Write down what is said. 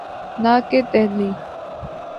نہ کہ دہلی۔